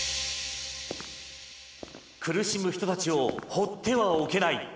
苦しむ人たちを放ってはおけない。